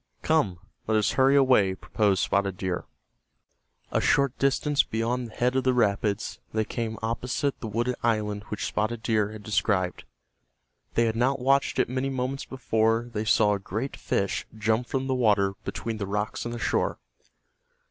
"Come, let us hurry away," proposed Spotted Deer. A short distance beyond the head of the rapids they came opposite the wooded island which Spotted Deer had described. They had not watched it many moments before they saw a great fish jump from the water between the rocks and the shore.